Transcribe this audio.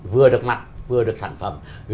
vừa được mặt vừa được sản phẩm